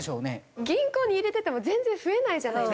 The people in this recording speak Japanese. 銀行に入れてても全然増えないじゃないですか。